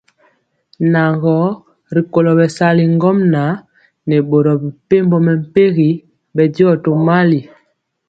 Nan gɔ rikolo bɛsali ŋgomnaŋ nɛ boro mepempɔ mɛmpegi bɛndiɔ tomali.